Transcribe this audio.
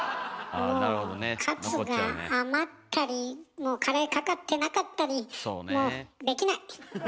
もうカツが余ったりもうカレーかかってなかったりもうできない！